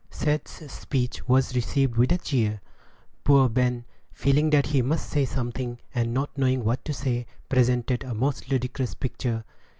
Seth's speech was received with a cheer. Poor Ben, feeling that he must say something, and not knowing what to say, presented a most ludicrous picture.